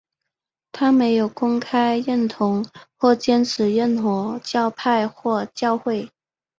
他没有公开认同或坚持任何教派或教会。